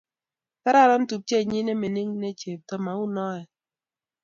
kararan tupchenyin ne mining ne chepto, mou noee?